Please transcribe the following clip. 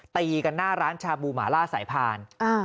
ตีกันหน้าร้านชาบูหมาล่าสายพาน